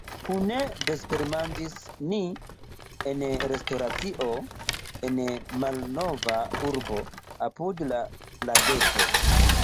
Kune vespermanĝis ni en restoracio en malnova urbo apud la lageto.